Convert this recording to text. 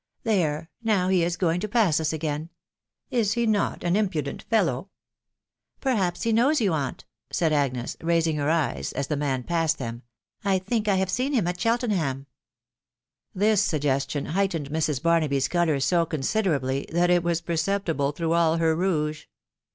There, now, he is going to pass us again. ... Is he not fP impudent fellow ?"" Perhaps he knows you* aunt," said Agnes, raiajag her \ »ta W: TOT WIDOW BARWABY. 855 eyes as the man passed them. ... u I think I have seen him at Cheltenham." This suggestion heightened Mrs. Barnaby's colour so consi derably that it was perceptible through all her rouge.